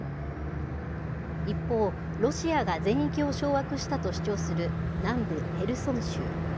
一方、ロシアが全域を掌握したと主張する南部ヘルソン州。